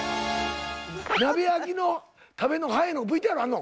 鍋焼きの食べんの速いのＶＴＲあんの？